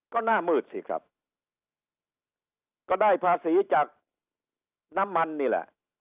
ก็หน้ามืดสิครับก็ได้ภาษีจากน้ำมันนี่แหละ